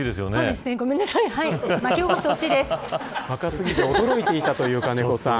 若すぎて驚いていたという金子さん。